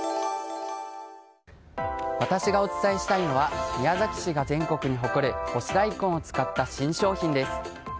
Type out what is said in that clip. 私がお伝えしたいのは宮崎市が全国に誇る干し大根を使った新商品です。